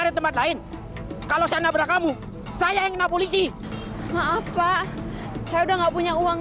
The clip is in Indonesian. ada tempat lain kalau saya nabrak kamu saya yang kena polisi maaf pak saya udah nggak punya uang